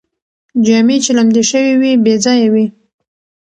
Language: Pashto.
جامې چې لمدې شوې وې، بې ځایه وې